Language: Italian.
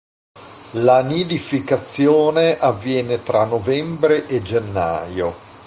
La nidificazione avviene tra novembre e gennaio.